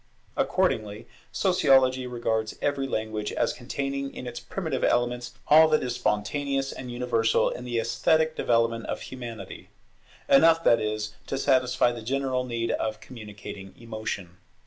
Accordingly, Sociology regards every language as containing in its primitive elements all that is spontaneous and universal in the esthetic development of Humanity; enough, that is, to satisfy the general need of communicating emotion.